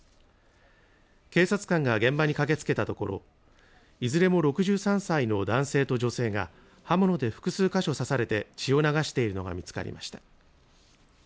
警察官が現場に駆けつけたところいずれも６３歳の男性と女性が刃物で複数箇所を刺されて血を流しているのが見つかりました。